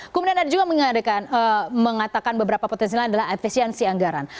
kemudian ada juga mengatakan beberapa potensi lain adalah efisiensi anggaran